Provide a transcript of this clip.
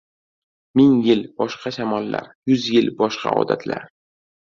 • Ming yil — boshqa shamollar, yuz yil — boshqa odatlar.